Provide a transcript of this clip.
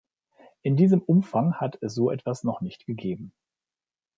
In diesem Umfang hat es so etwas noch nicht gegeben.